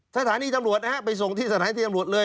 สถานีตำรวจนะฮะไปส่งที่สถานีตำรวจเลย